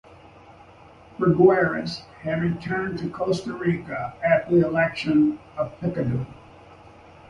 Figueres had returned to Costa Rica after the election of Picado.